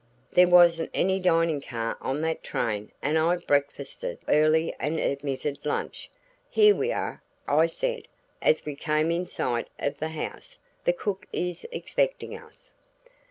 "There wasn't any dining car on that train, and I breakfasted early and omitted lunch." "Here we are," I said, as we came in sight of the house. "The cook is expecting us."